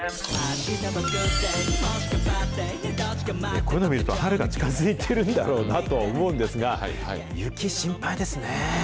こういうの見ると、春が近づいてるんだろうなと思うんですが、雪、心配ですね。